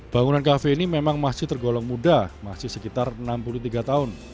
bangunan kafe ini memang masih tergolong muda masih sekitar enam puluh tiga tahun